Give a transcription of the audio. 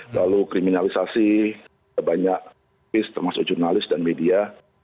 lalu kriminalisasi banyak pihak termasuk jurnalis dan media